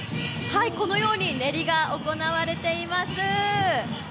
このように練りが行われています。